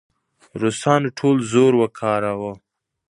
روسانو ټول زور وکاراوه.